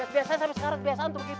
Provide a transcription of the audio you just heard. biasa sampai sekarang biasa untuk gitu